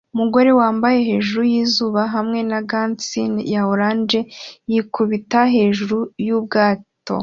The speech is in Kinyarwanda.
Umugore wambaye hejuru yizuba hamwe na gants ya orange yikubita hejuru yubwato